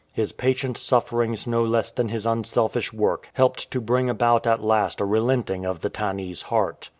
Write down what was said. His patient sufferings no less than his unselfish work helped to bring about at last a relenting of the Tannese heart.